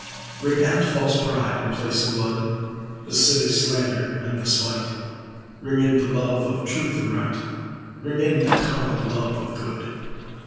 Ring out false pride in place and blood, The civic slander and the spite; Ring in the love of truth and right, Ring in the common love of good.